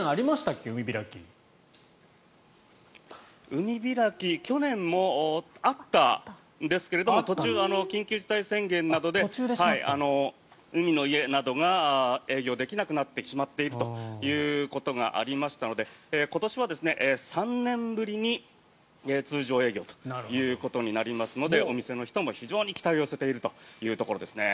海開き去年もあったんですけれども途中、緊急事態宣言などで海の家などが営業できなくなってしまっているということがありましたので今年は３年ぶりに通常営業ということになりますのでお店の人も非常に期待を寄せているということですね。